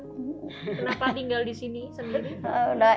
kenapa tinggal disini sendiri